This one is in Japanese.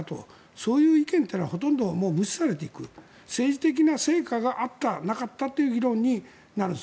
そういう意見というのはほとんど無視されていく政治的な成果があったかなかったかという議論になるんです